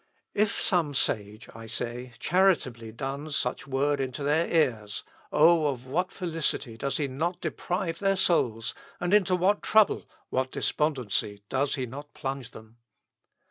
If some sage, I say, charitably duns such words into their ears, Oh! of what felicity does he not deprive their souls, and into what trouble, what despondency, does he not plunge them!